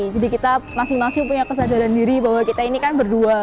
jadi kita masing masing punya kesadaran diri bahwa kita ini kan berdua